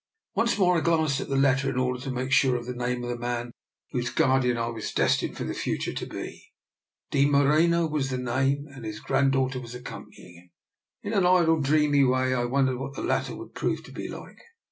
Once more I glanced at the letter, in order to make sure of the name of the man whose guardian I was destined for the future to be. De Moreno was the name, and his grand daughter was accompanying him. In an idle, dreamy way, I wondered what the latter would prove to be like.